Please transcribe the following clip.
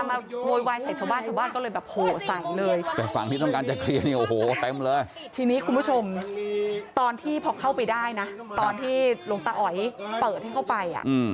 มาโวยวายชาวบ้านก็เลยแบบโหใส่เลย